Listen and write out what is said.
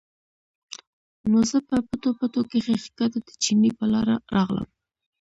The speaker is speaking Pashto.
نو زۀ پۀ پټو پټو کښې ښکته د چینې پۀ لاره راغلم